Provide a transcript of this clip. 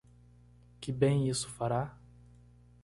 Que bem isso fará?